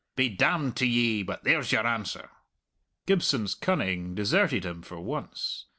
Be damned to ye, but there's your answer!" Gibson's cunning deserted him for once.